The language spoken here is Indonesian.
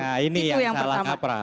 nah ini yang salah kaprah